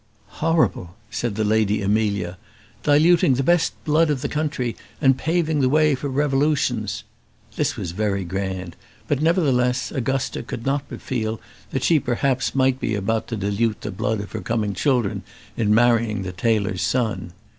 "Horrible!" said the Lady Amelia; "diluting the best blood of the country, and paving the way for revolutions." This was very grand; but, nevertheless, Augusta could not but feel that she perhaps might be about to dilute the blood of her coming children in marrying the tailor's son.